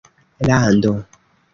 lando